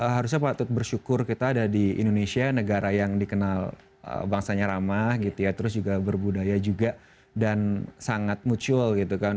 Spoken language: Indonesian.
kita patut bersyukur kita ada di indonesia negara yang dikenal bangsanya ramah terus juga berbudaya juga dan sangat mutual